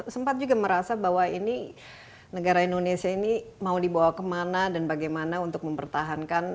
sempat juga merasa bahwa ini negara indonesia ini mau dibawa kemana dan bagaimana untuk mempertahankan